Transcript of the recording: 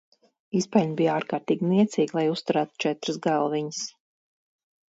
Izpeļņa bija ārkārtīgi niecīga, lai uzturētu četras galviņas.